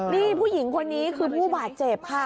นี่ผู้หญิงคนนี้คือผู้บาดเจ็บค่ะ